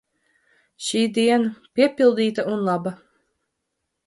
Šī diena – piepildīta un laba.